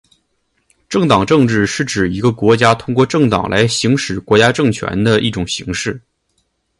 政党政治是指一个国家通过政党来行使国家政权的一种形式。